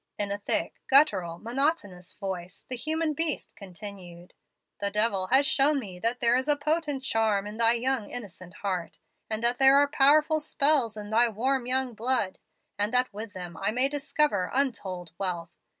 In a thick, guttural, monotonous voice, the human beast continued: 'The devil has shown me that there is a potent charm in thy young innocent heart, that there are powerful spells in thy warm young blood, and that with them I may discover untold wealth.